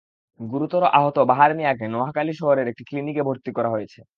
গুরুতর আহত বাহার মিয়াকে নোয়াখালী শহরের একটি ক্লিনিকে ভর্তি করা হয়েছে।